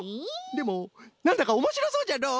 でもなんだかおもしろそうじゃのう！